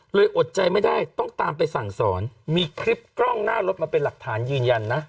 อดใจไม่ได้ต้องตามไปสั่งสอนมีคลิปกล้องหน้ารถมาเป็นหลักฐานยืนยันนะ